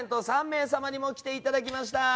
３名様にも来ていただきました。